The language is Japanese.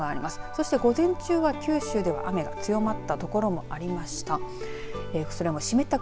そして午前中は九州では雨の強まった所もありました。